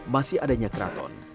masih adanya keraton